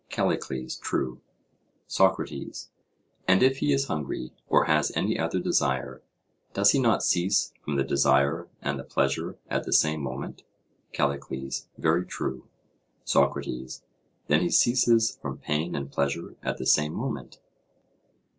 CALLICLES: True. SOCRATES: And if he is hungry, or has any other desire, does he not cease from the desire and the pleasure at the same moment? CALLICLES: Very true. SOCRATES: Then he ceases from pain and pleasure at the same moment?